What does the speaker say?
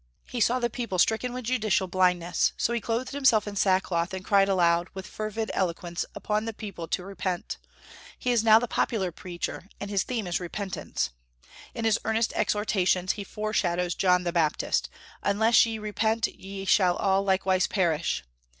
He saw the people stricken with judicial blindness; so he clothed himself in sackcloth and cried aloud, with fervid eloquence, upon the people to repent. He is now the popular preacher, and his theme is repentance. In his earnest exhortations he foreshadows John the Baptist: "Unless ye repent, ye shall all likewise perish."